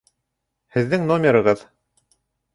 Һеҙҙең номерығыҙ?